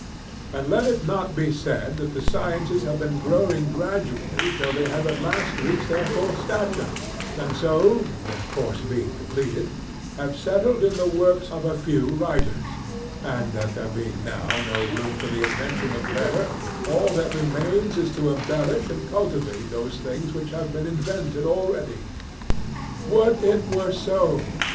And let it not be said that the sciences have been growing gradually till they have at last reached their full stature, and so (their course being completed) have settled in the works of a few writers; and that there being now no room for the invention of better, all that remains is to embellish and cultivate those things which have been invented already. Would it were so!